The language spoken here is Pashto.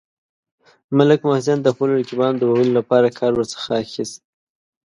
ملک محسن د خپلو رقیبانو د وهلو لپاره کار ورڅخه اخیست.